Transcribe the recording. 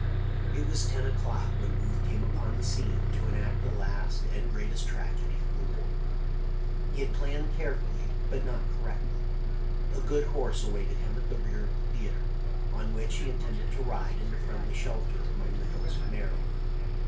It was ten o'clock when Booth came upon the scene to enact the last and greatest tragedy of the war. He had planned carefully, but not correctly. A good horse awaited him at the rear of the theatre, on which he intended to ride into friendly shelter among the hills of Maryland.